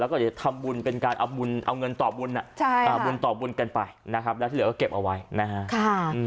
แล้วก็จะทำบุญเป็นการเอาเงินต่อบุญกันไปนะครับแล้วที่เหลือก็เก็บเอาไว้นะฮะ